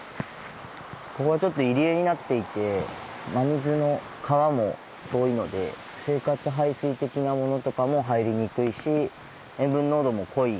ここがちょっと入り江になっていて真水の川も遠いので生活排水的なものとかも入りにくいし塩分濃度も濃い。